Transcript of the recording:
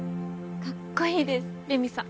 かっこいいですレミさん。